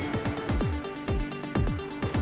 ada apa ya om